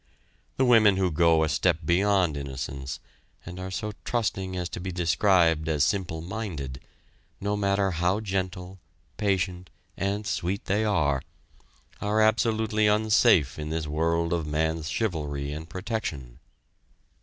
The women who go a step beyond innocence and are so trusting as to be described as simple minded, no matter how gentle, patient, and sweet they are, are absolutely unsafe in this world of man's chivalry and protection.